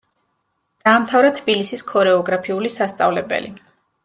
დაამთავრა თბილისის ქორეოგრაფიული სასწავლებელი.